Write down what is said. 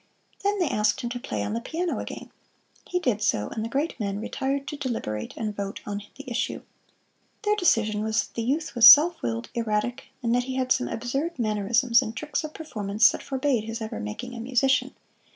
Then they asked him to play the piano again. He did so, and the great men retired to deliberate and vote on the issue. Their decision was that the youth was self willed, erratic, and that he had some absurd mannerisms and tricks of performance that forbade his ever making a musician.